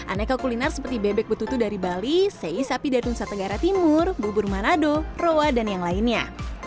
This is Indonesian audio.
aneka kuliner seperti bebek betutu dari bali sei sapi dari nusa tenggara timur bubur manado roa dan yang lainnya